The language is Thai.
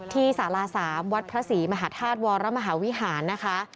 สารา๓วัดพระศรีมหาธาตุวรมหาวิหารนะคะ